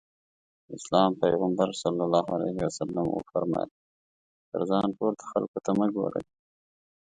د اسلام پيغمبر ص وفرمايل تر ځان پورته خلکو ته مه ګورئ.